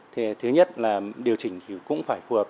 thì thứ nhất là điều chỉnh thì cũng phải phù hợp